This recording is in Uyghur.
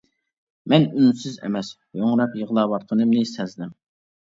مەن ئۇنسىز ئەمەس، ھۆڭرەپ يىغلاۋاتقىنىمنى سەزدىم.